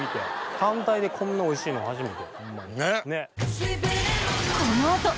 単体でこんなおいしいの初めて。ね！